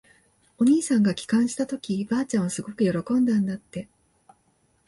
お兄さんが帰還したとき、ばあちゃんはすごく喜んだんだって。